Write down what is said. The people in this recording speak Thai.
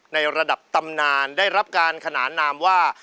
ในระดับตำนานได้รับการขนานนามว่า